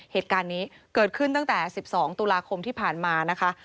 เหตุการณ์นี้เกิดขึ้นตั้งแต่๑๒ตุลาคมที่ผ่านมานะคะ